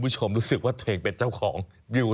มันจะยากแค่ไหนถ้าเราไปเอามันก็ยังไงอยู่